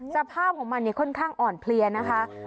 สภาพของมันค่อนข้างอ่อนเพลียนะคะ